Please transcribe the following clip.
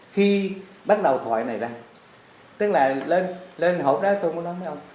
khi bắt đầu thoại này ra tức là lên hộp đó tôi muốn nói với ông